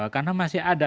karena masih ada